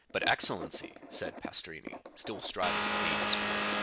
"But, excellency"—said Pastrini, still striving to gain his point.